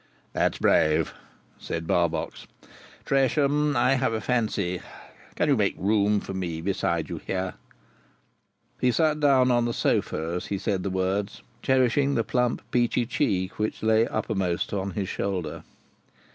"That's brave," said Barbox. "Tresham, I have a fancy—can you make room for me beside you here?" He sat down on the sofa as he said words, cherishing the plump peachy cheek that lay uppermost on his shoulder.